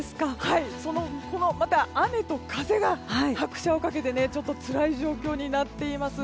また、雨と風が拍車をかけてつらい状況になっています。